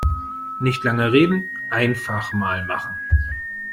Nicht lange reden, einfach mal machen!